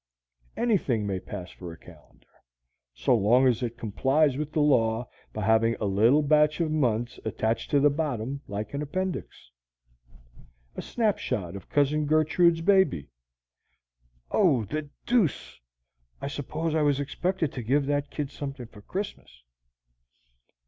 Anything may pass for a calendar, so long as it complies with the law by having a little batch of months attached to the bottom like an appendix: a snapshot of Cousin Gertrude's baby (oh, the deuce! I suppose I was expected to give that kid something for Christmas!)